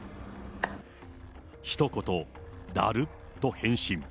ひと言、だるっと返信。